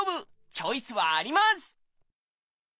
チョイスはあります！